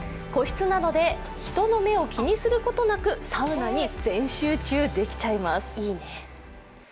個室なので人の目を気にすることなくサウナに全集中できちゃいます。